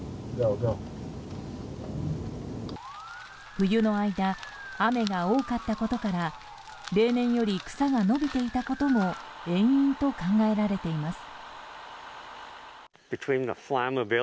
冬の間、雨が多かったことから例年より草が伸びていたことも遠因と考えられています。